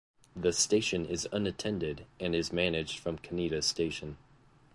The station is unattended, and is managed from Kanita Station.